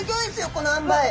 このあんばい。